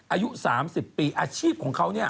อายุ๓๐ปีอาชีพของเขาเนี่ย